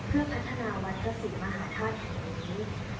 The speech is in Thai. เพื่อพัฒนาวัดพระศรีมหาธาตุแห่งนี้